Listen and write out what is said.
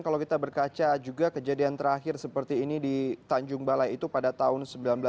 kalau kita berkaca juga kejadian terakhir seperti ini di tanjung balai itu pada tahun seribu sembilan ratus delapan puluh